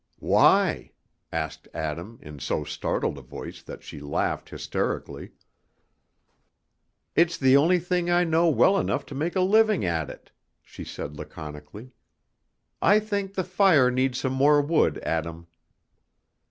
"Why?" asked Adam in so startled a voice that she laughed hysterically. "It's the only thing I know well enough to make a living at it," she said laconically. "I think the fire needs some more wood, Adam."